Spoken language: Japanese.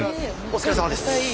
お疲れさまです。